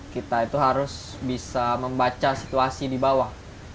kita itu harus bisa membaca situasi di bawah